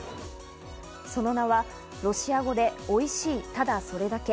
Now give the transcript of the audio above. その名はロシア語で、おいしい、ただそれだけ。